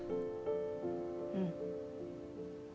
うん。